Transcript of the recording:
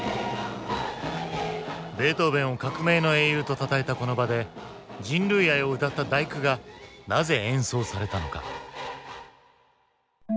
ベートーヴェンを「革命の英雄」とたたえたこの場で人類愛をうたった「第９」がなぜ演奏されたのか？